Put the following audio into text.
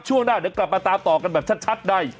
ช่วงหน้าเดี๋ยวกลับมาตามต่อกันแบบชัดใน